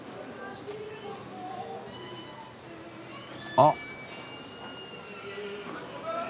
・あっ。